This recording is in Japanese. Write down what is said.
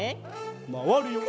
まわるよ。